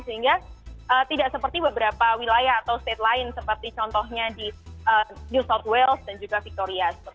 sehingga tidak seperti beberapa wilayah atau state lain seperti contohnya di new south wales dan juga victoria